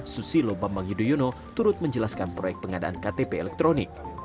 susilo bambang yudhoyono turut menjelaskan proyek pengadaan ktp elektronik